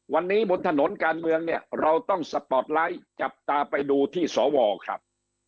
วันนี้บนถนนการเมืองเนี่ยเราต้องสปอร์ตไลท์จับตาไปดูที่สวครับ